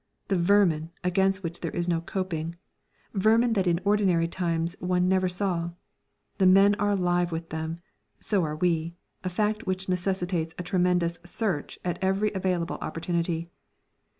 The vermin, against which there is no coping, vermin that in ordinary times one never saw. The men are alive with them, so are we, a fact which necessitates a tremendous "search" at every available opportunity.